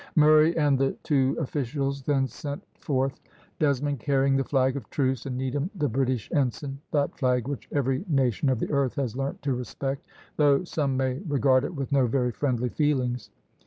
Murray and the two officials then set forth, Desmond carrying the flag of truce, and Needham the British ensign, that flag which every nation of the earth has learnt to respect, though some may regard it with no very friendly feelings.